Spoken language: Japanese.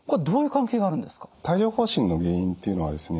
帯状ほう疹の原因っていうのはですね